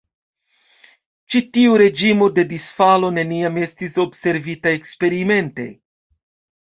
Ĉi tiu reĝimo de disfalo neniam estis observita eksperimente.